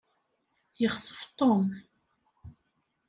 Yexsef Tom.